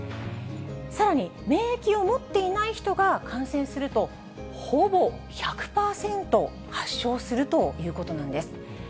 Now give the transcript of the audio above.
さらに、免疫を持っていない人が感染すると、ほぼ１００％発症するということなんです。